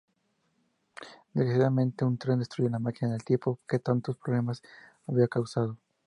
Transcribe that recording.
Desgraciadamente, un tren destruye la máquina del tiempo, que tantos problemas había causado.